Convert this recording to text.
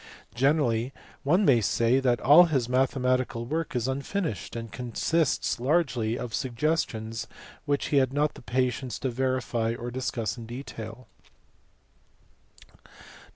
Generally one may say that all his mathe matical work is unfinished and consists largely of suggestions which he had not the patience to verify or discuss in detail.